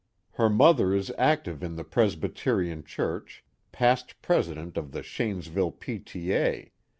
Her mother is active in the Presbyterian Church, past president of the Shanesville P.T.A.